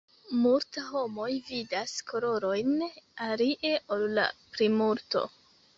Multa homoj vidas kolorojn alie ol la plimulto.